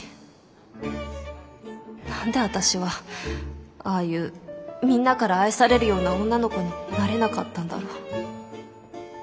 何で私はああいうみんなから愛されるような女の子になれなかったんだろう。